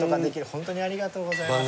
ホントにありがとうございます。